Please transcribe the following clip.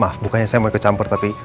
wah bukannya saya mau ikut campur tapi